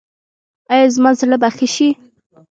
ایا زما زړه به ښه شي؟